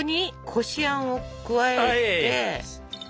こしあんを加えて。